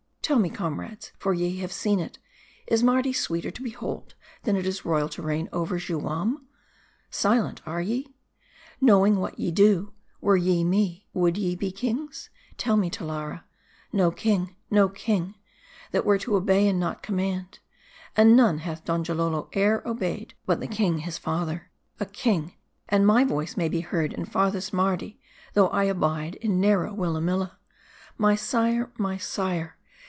Tell me, comrades, for ye have seen it, is Mardi sweeter to behold, than it is royal to reign over Juam ? Silent, are ye ? Knowing what ye do, were ye me, would ye be kings ? Tell me, Talara. No king : no king : that were to obey, and not command. And none hath Donjalolo ere obeyed but the king his father. A king, and my voice may be heard in farthest Mardi, though I abide in narrow Willamilla. My sire ! my sire